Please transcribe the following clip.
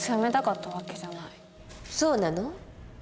そうなの？